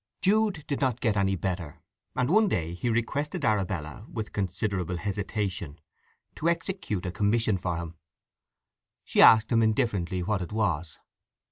Jude did not get any better, and one day he requested Arabella, with considerable hesitation, to execute a commission for him. She asked him indifferently what it was.